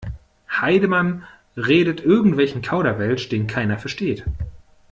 Heidemann redet irgendwelchen Kauderwelsch, den keiner versteht.